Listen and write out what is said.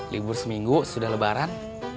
libur seminggu sudah lebaran